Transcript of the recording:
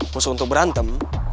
musuh untuk berantem